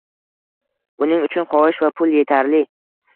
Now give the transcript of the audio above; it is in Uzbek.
Buning uchun xohish va pul etarli